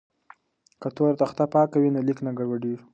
که تور تخته پاکه وي نو لیک نه ګډوډیږي.